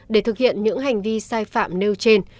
để thực hiện những hành vi sai phạm nêu trên